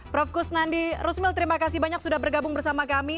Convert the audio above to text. prof kusnandi rusmil terima kasih banyak sudah bergabung bersama kami